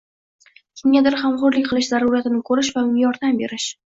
Kimgadir g‘amxo‘rlik qilish zaruratini ko‘rish va unga yordam berish